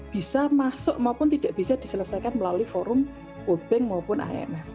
bisa masuk maupun tidak bisa diselesaikan melalui forum world bank maupun imf